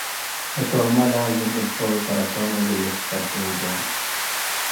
ህቶምመ ላዝም እብ ሆይ ተረቶም እግል ልትፈደው ቦም ።